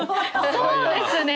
そうですね。